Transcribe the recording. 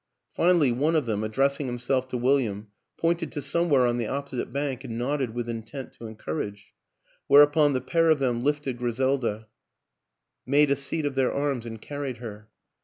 Finally, one of them, addressing him self to William, pointed to somewhere on the op posite bank and nodded with intent to encourage ; whereupon the pair of them lifted Griselda, made a seat of their arms and carried her.